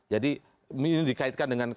jadi ini dikaitkan dengan